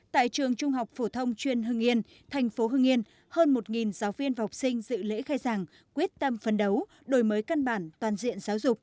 tại trường trung học phổ thông chuyên hưng yên thành phố hưng yên hơn một giáo viên và học sinh dự lễ khai giảng quyết tâm phấn đấu đổi mới căn bản toàn diện giáo dục